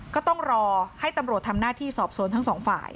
ก็ต้องรอให้ตำรวจทำหน้าที่สอบสวนทั้งสองฝ่าย